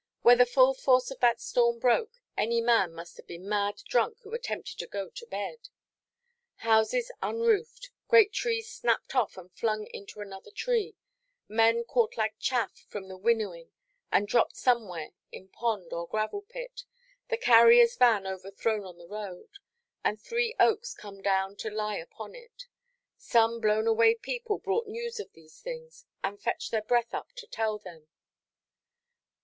Where the full force of that storm broke, any man must have been mad drunk who attempted to go to bed. Houses unroofed, great trees snapped off and flung into another tree, men caught like chaff from the winnowing and dropped somewhere in pond or gravel–pit, the carrierʼs van overthrown on the road, and three oaks come down to lie upon it,—some blown–away people brought news of these things, and fetched their breath up to tell them.